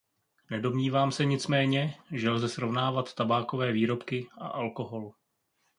Nedomnívám se nicméně, že lze srovnávat tabákové výrobky a alkohol.